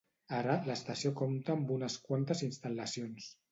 Ara, l'estació compta amb unes quantes instal·lacions.